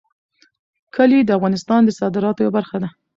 کلي د افغانستان د صادراتو یوه برخه ده.